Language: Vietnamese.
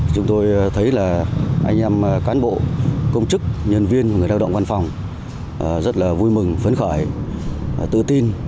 chúng tôi thấy là anh em cán bộ công chức nhân viên người lao động văn phòng rất là vui mừng phấn khởi tự tin